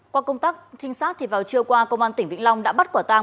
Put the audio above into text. qua công tác trinh sát vào chiều qua công an tỉnh vĩnh long đã bắt quả tăng